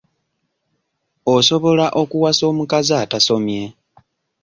Osobola okuwasa omukazi atasomye?